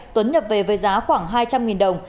tuấn nhập về với giá khoảng hai trăm linh đồng